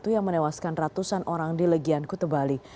yang menewaskan ratusan orang di legian kute bali